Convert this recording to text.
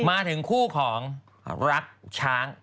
มาถึงคู่ของรักช้าง